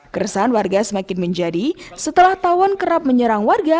keresahan warga semakin menjadi setelah tawon kerap menyerang warga